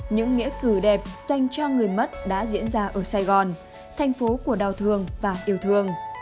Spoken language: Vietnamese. những nghĩa cử đẹp dành cho người mất đã diễn ra ở sài gòn thành phố của đau thương và yêu thương